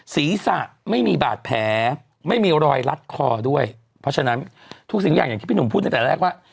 ศีรษะไม่มีบาดแผลไม่มีรอยรัดคอด้วยเพราะฉะนั้นทุกสิ่งอย่างอย่างที่พี่หนุ่มพูดตั้งแต่แรกว่า